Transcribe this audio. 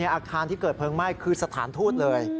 อาคารที่เกิดเพลิงไหม้คือสถานทูตเลย